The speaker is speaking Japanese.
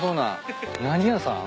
何屋さん？